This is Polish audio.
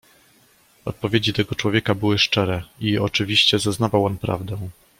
"Odpowiedzi tego człowieka były szczere i, oczywiście, zeznawał on prawdę."